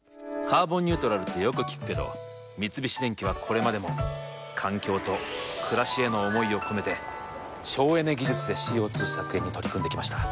「カーボンニュートラル」ってよく聞くけど三菱電機はこれまでも環境と暮らしへの思いを込めて省エネ技術でＣＯ２削減に取り組んできました。